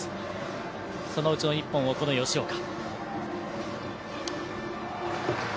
そのうちの１本を、この吉岡。